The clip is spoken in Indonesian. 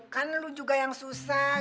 kan lu juga yang susah